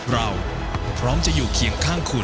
เมื่อคุณพาดพลั้งเราพร้อมจะอยู่เคียงข้างคุณ